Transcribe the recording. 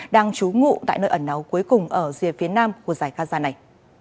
đang trú ngụ tại nơi ẩn náu cuối cùng ở rìa phía nam của giải gaza này